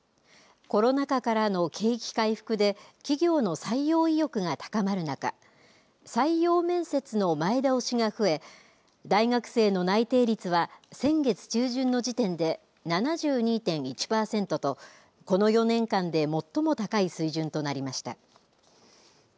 コロナ禍からの景気回復で企業の採用意欲が高まる中採用面接の前倒しが増え大学生の内定率は先月中旬の時点で７２．１パーセントとこの４年間で最も高い水準となりました。